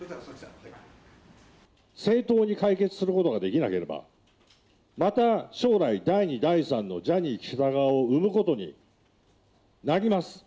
正当に解決することができなければ、また将来、第２、第３のジャニー喜多川を生むことになります。